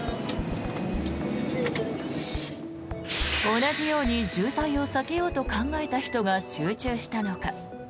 同じように渋滞を避けようと考えた人が集中したのか